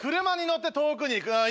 車に乗って遠くに行く。